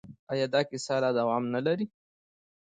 آیا دا کیسه لا دوام نلري؟